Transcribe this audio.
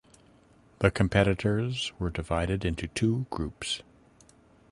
The competitors were divided into two groups.